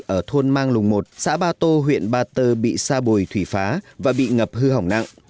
ở thôn mang lùng một xã ba tô huyện ba tơ bị sa bùi thủy phá và bị ngập hư hỏng nặng